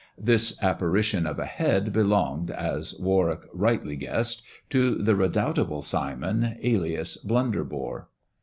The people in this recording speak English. This apparition of a head belonged, as Warwick rightly guessed, to the redoubtable Simon, alias Blunderbore.